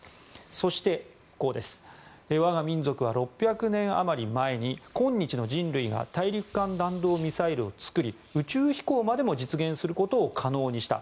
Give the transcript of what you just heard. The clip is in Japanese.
そして、我が民族は６００年余り前に今日の人類が大陸間弾道ミサイルを作り宇宙飛行までも実現することを可能にした。